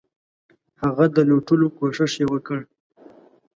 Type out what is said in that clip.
هغه د لوټلو کوښښ یې وکړ.